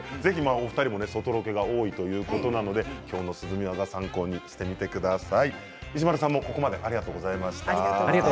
お二人は外ロケが多いということなので今日の涼み技参考にしてみてください。